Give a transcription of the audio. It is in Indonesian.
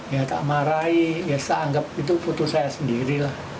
ya tak marahi ya saya anggap itu putus saya sendiri lah